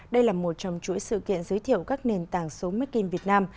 đây là một trong chuỗi sự kiện giới thiệu các nền tảng số making việt nam